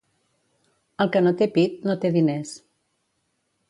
El que no té pit, no té diners.